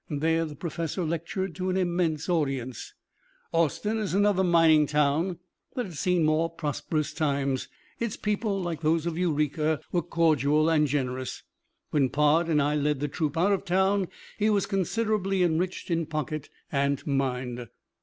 There, the Professor lectured to an immense audience. Austin is another mining town that had seen more prosperous times; its people, like those of Eureka, were cordial and generous. When Pod and I led the troop out of town, he was considerably enriched in pocket and mind.